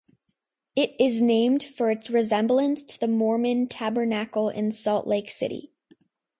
It is named for its resemblance to the Mormon Tabernacle in Salt Lake City.